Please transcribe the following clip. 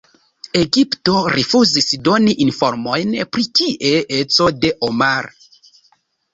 Egipto rifuzis doni informojn pri kie-eco de Omar.